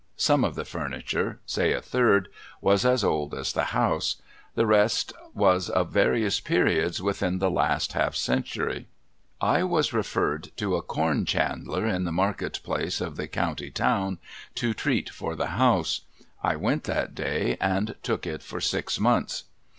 Some of the furniture — say, a third — was as old as the house ; the rest was of various periods within the last half century. I was referred to a corn chandler in the market place of 2o6 THE HAUNTED HOUSE the county town to treat for the house. I went that day, and I took it for six months.